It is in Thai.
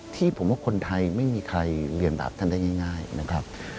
ที่ผมว่าคนไทยไม่มีใครเรียนแบบท่านได้ง่ายนะครับ